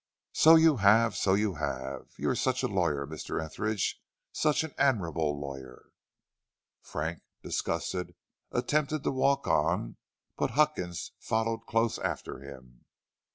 "So you have, so you have. You are such a lawyer, Mr. Etheridge, such an admirable lawyer!" Frank, disgusted, attempted to walk on, but Huckins followed close after him.